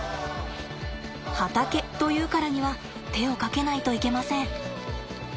畑というからには手をかけないといけません。